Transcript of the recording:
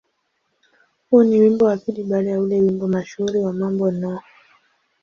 Huu ni wimbo wa pili baada ya ule wimbo mashuhuri wa "Mambo No.